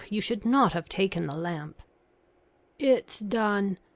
you should not have taken the lamp." "It's done.